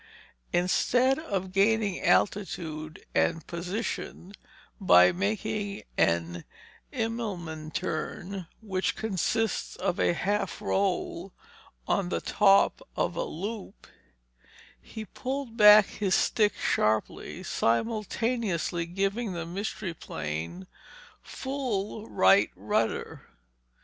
Instead of gaining altitude and position by making an Immelman turn, which consists of a half roll on the top of a loop, he pulled back his stick sharply, simultaneously giving the Mystery Plane full right rudder.